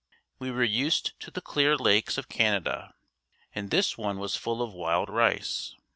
We were used to the clear lakes of Canada and this one was full of wild rice.